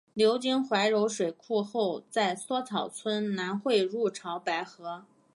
流经怀柔水库后在梭草村南汇入潮白河。